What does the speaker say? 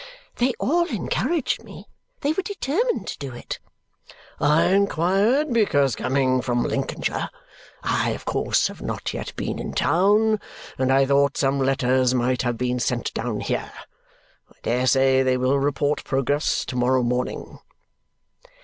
(They all encouraged me; they were determined to do it.) "I inquired because, coming from Lincolnshire, I of course have not yet been in town, and I thought some letters might have been sent down here. I dare say they will report progress to morrow morning."